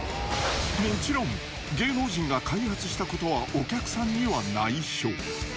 もちろん芸能人が開発したことはお客さんには内緒。